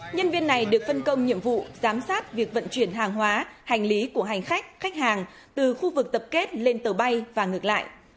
nhân viên này được phân công nhiệm vụ giám sát việc vận chuyển hàng hóa hành lý của hành khách khách hàng từ khu vực tập kết lên tàu bay và ngược lại